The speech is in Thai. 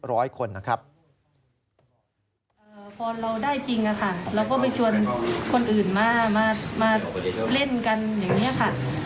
พอเราได้จริงอะค่ะเราก็ไปชวนคนอื่นมามาเล่นกันอย่างนี้ค่ะ